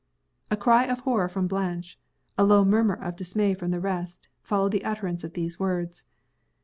A cry of horror from Blanche, a low murmur of dismay from the rest, followed the utterance of those words.